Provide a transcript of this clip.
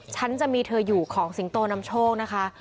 ฉันจะมีเธออยู่ของสิงโตนำโชคนะคะ